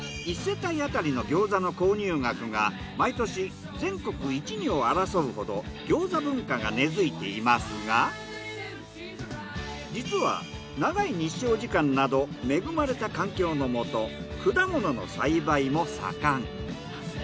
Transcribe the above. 一世帯あたりの餃子の購入額が毎年全国１２を争うほど餃子文化が根付いていますが実は長い日照時間など恵まれた環境のもと果物の栽培も盛ん。